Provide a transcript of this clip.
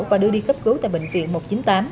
và đưa đi cấp cứu tại bệnh viện một trăm chín mươi tám